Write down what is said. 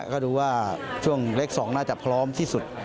ก็ดูว่าช่วงเล็ก๒น่าจะพร้อมที่สุด